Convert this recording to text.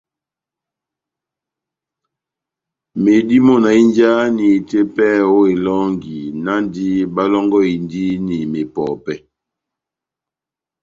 Medimɔ́ na hínjahani tepɛhɛ ó elɔngi, náhndi bálɔ́ngɔhindini mepɔpɛ́.